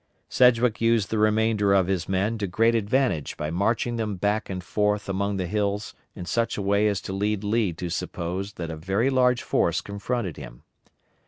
Sedgwick used the remainder of his men to great advantage by marching them back and forth among the hills in such a way as to lead Lee to suppose that a very large force confronted him.